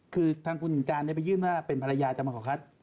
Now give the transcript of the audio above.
คือทางคุณการได้ไปยื่นว่าเป็นภรรยาจะมาขอคัด